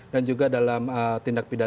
dan juga dalam tindak pidato